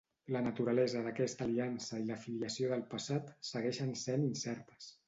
La naturalesa d'aquesta aliança i la filiació del passat segueixen sent incertes.